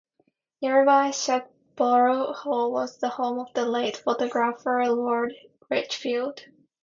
Nearby Shugborough Hall was the home of the late photographer Lord Lichfield.